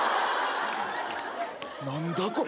何だこれ？